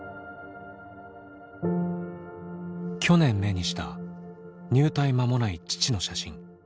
去年目にした入隊間もない父の写真。